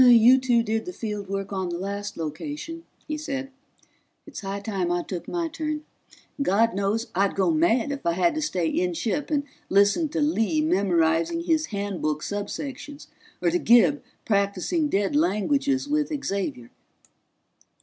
"You two did the field work on the last location," he said. "It's high time I took my turn and God knows I'd go mad if I had to stay inship and listen to Lee memorizing his Handbook subsections or to Gib practicing dead languages with Xavier."